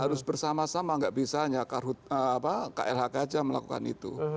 harus bersama sama nggak bisa hanya klhk aja melakukan itu